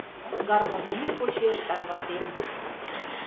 Гармонь йӱк почеш тарватем.